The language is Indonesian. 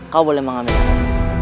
kau boleh mengambilnya